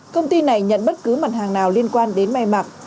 công ty này nhận bất cứ mặt hàng nào liên quan đến may mặc